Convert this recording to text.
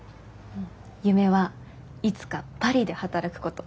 夢はいつかパリで働くこと。